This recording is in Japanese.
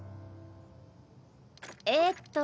えっと